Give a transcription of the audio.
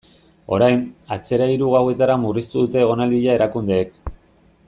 Orain, atzera hiru gauetara murriztu dute egonaldia erakundeek.